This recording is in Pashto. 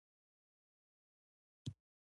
بدرنګه سړی د شر پېغمبر وي